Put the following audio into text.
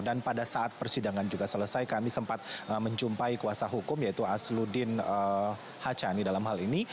dan pada saat persidangan juga selesai kami sempat menjumpai kuasa hukum yaitu asluddin hacani dalam hal ini